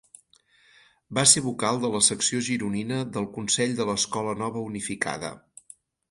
Va ser vocal de la secció gironina del Consell de l'Escola Nova Unificada.